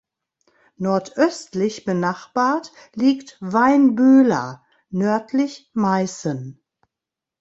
Nordöstlich benachbart liegt Weinböhla, nördlich Meißen.